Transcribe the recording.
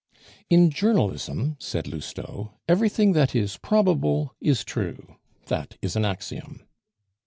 "In journalism," said Lousteau, "everything that is probable is true. That is an axiom."